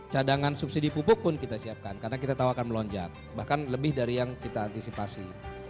cadangan subsidi pupuk pun kita siapkan karena kita tahu akan melonjak bahkan lebih dari yang kita antisipasi